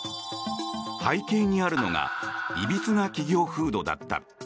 背景にあるのがいびつな企業風土だった。